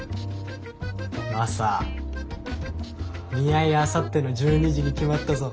マサ見合いあさっての１２時に決まったぞ。